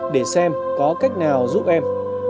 để xem có cách nào giúp em